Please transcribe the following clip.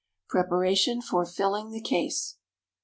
_Preparation for Filling the Case.